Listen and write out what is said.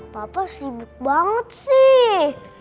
papa sibuk banget sih